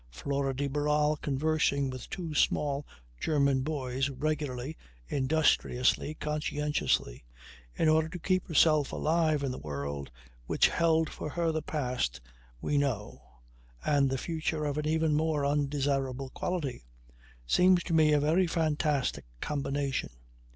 Flora de Barral conversing with two small German boys, regularly, industriously, conscientiously, in order to keep herself alive in the world which held for her the past we know and the future of an even more undesirable quality seems to me a very fantastic combination.